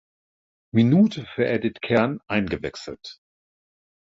Minute für Edit Kern eingewechselt.